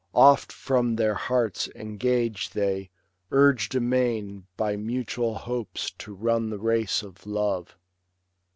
Oft from their hearts engage they, urg'd amain By mutual hopes to run the race of love.